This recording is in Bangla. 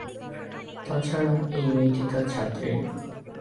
তা ছাড়া এই মেয়েটি তাঁর ছাত্রী।